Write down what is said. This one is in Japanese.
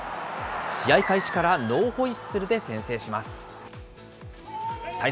試合開始からノーホイッスルで先制します。